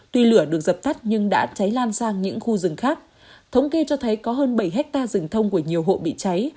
tuy lửa được dập tắt nhưng đã cháy lan sang những khu rừng khác thống kê cho thấy có hơn bảy hectare rừng thông của nhiều hộ bị cháy